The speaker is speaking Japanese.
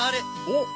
おっ！